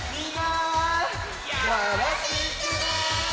よろしくね！